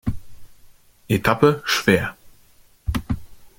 Etappe schwer.